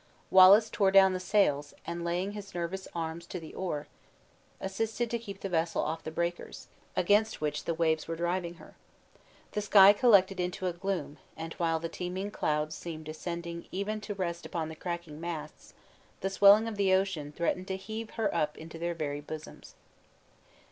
Wallace tore down the sails, and laying his nervous arms to the oar, assisted to keep the vessel off the breakers, against which the waves were driving her. The sky collected into a gloom; and while the teeming clouds seemed descending even to rest upon the cracking masts, the swelling of the ocean threatened to heave her up into their very bosoms.